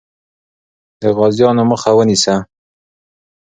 د غازیانو مخه ونیسه.